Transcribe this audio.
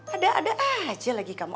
ada ada aja lagi kamu ada ada aja lagi kamu